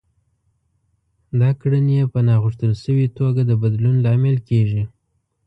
دا کړنې يې په ناغوښتل شوې توګه د بدلون لامل کېږي.